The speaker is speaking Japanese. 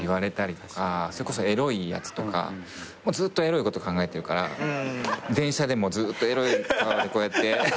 それこそエロいやつとかずっとエロいこと考えてるから電車でもずっとエロい顔でこうやって。